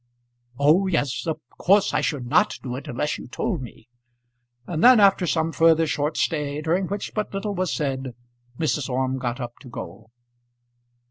"Oh, yes; of course I should not do it unless you told me." And then, after some further short stay, during which but little was said, Mrs. Orme got up to go.